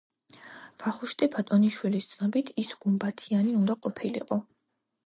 ვახუშტი ბატონიშვილის ცნობით ის გუმბათიანი უნდა ყოფილიყო.